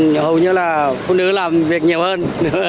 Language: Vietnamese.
hầu như là phụ nữ làm việc nhiều hơn